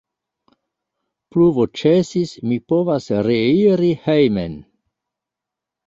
Pluvo ĉesis, mi povas reiri hejmen.